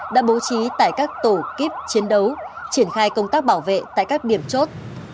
đã bố trí tại các tổ kíp chiến đấu triển khai công tác bảo vệ tại các điểm chốt